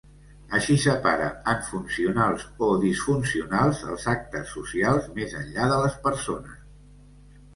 Així separa en funcionals o disfuncionals els actes socials, més enllà de les persones.